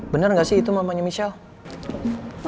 bener gak sih itu mamanya michelle